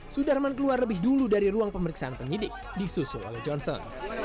sudarman keluar lebih dulu dari ruang pemeriksaan penyidik disusul oleh johnson